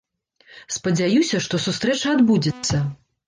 Спадзяюся, што сустрэча адбудзецца.